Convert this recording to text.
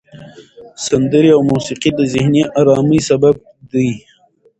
سندرې او موسیقي د ذهني آرامۍ سبب دي.